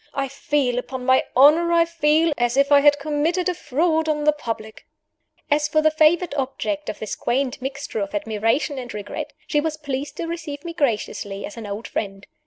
I feel, upon my honor I feel, as if I had committed a fraud on the public!" As for the favored object of this quaint mixture of admiration and regret, she was pleased to receive me graciously, as an old friend.